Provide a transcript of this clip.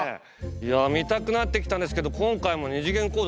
いや見たくなってきたんですけど今回も２次元コードあるんですかね？